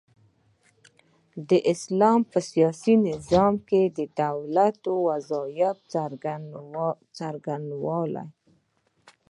د اسلام په سياسي نظام کي د دولت د وظايفو څرنګوالۍ